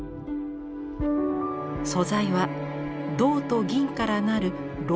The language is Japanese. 素材は銅と銀から成る朧銀。